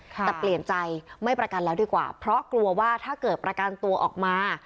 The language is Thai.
แต่เปลี่ยนใจไม่ประกันแล้วดีกว่าเพราะกลัวว่าถ้าเกิดประกันตัวออกมา